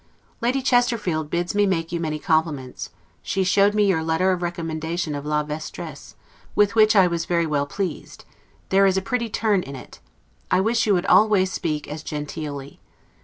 Lady Chesterfield bids me make you many compliments; she showed me your letter of recommendation of La Vestres; with which I was very well pleased: there is a pretty turn in it; I wish you would always speak as genteelly.